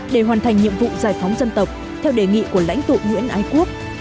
để hoàn thành nhiệm vụ giải phóng dân tộc theo đề nghị của lãnh tụ nguyễn ái quốc